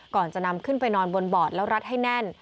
ก่อนจะนำขึ้นไปนอนบนบอดแล้วรัดให้แน่น